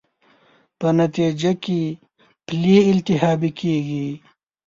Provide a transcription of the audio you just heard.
په نتېجه کې پلې التهابي کېږي.